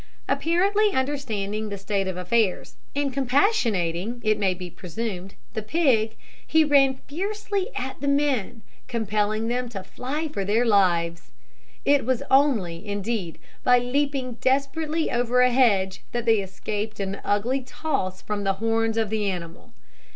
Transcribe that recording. Apparently understanding the state of affairs, and compassionating, it may be presumed, the pig, he ran fiercely at the men, compelling them to fly for their lives. It was only, indeed, by leaping desperately over a hedge, that they escaped an ugly toss from the horns of the animal.